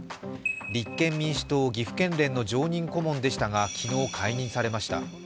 立憲民主党岐阜県連の常任顧問でしたが昨日、解任されました。